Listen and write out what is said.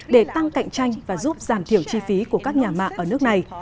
để tăng cạnh tranh và giúp giảm thiểu chi phí của các nhà mạng ở nước này